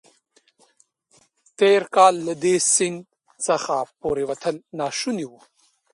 تېر کال له دې سیند څخه پورېوتل ناشوني وو.